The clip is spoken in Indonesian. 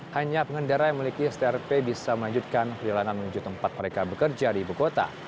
hanya pengendara yang memiliki strp bisa melanjutkan perjalanan menuju tempat mereka bekerja di ibu kota